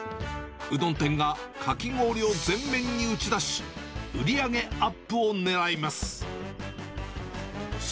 うどん店がかき氷を前面に打ち出し、売り上げアップをねらいます。